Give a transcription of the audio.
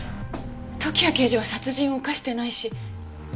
時矢刑事は殺人を犯してないし。